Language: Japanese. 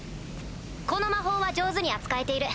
この魔法は上手に扱えている。